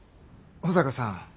保坂さん